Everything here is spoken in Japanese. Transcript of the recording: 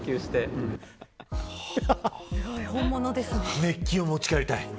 熱気を持ち帰りたい。